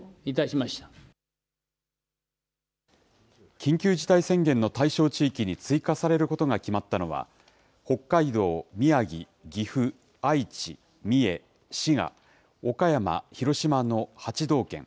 緊急事態宣言の対象地域に追加されることが決まったのは、北海道、宮城、岐阜、愛知、三重、滋賀、岡山、広島の８道県。